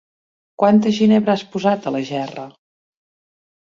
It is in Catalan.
Quanta ginebra has posat a la gerra?